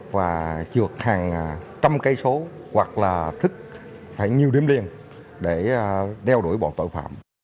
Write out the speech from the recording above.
và trượt hàng trăm cây số hoặc là thức phải nhiều điểm đen để đeo đuổi bọn tội phạm